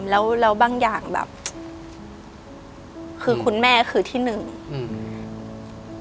แล้วแล้วบางอย่างแบบคือคุณแม่คือที่หนึ่งอืม